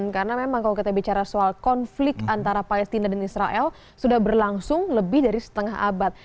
karena memang kalau kita bicara soal konflik antara palestina dan israel sudah berlangsung lebih dari setengah abad